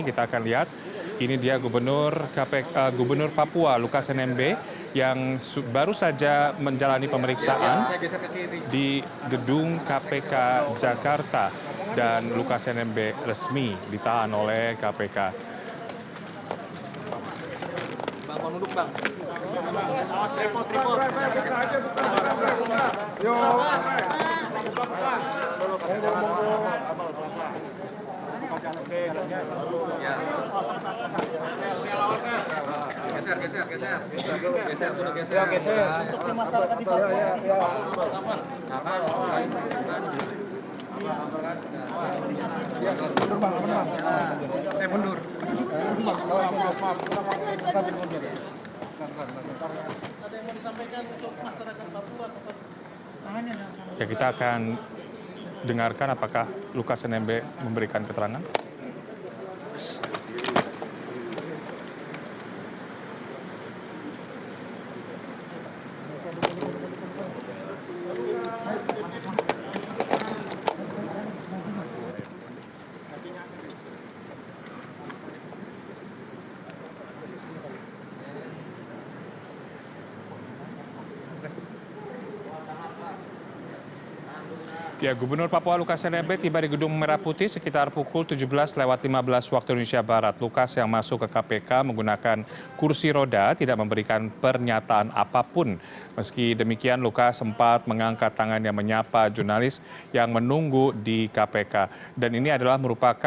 kita akan lihat ini dia gubernur papua lukas nmb yang baru saja menjalani pemeriksaan di gedung kpk jakarta dan lukas nmb resmi ditahan oleh kpk